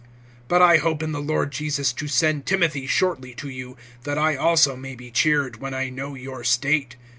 (19)But I hope in the Lord Jesus to send Timothy shortly to you, that I also may be cheered, when I know your state.